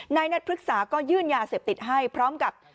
นายนัทพฤกษาก็ยื่นยาเสพติดให้พร้อมกับ